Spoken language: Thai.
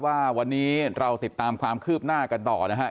ว่าวันนี้เราติดตามความคืบหน้ากันต่อนะฮะ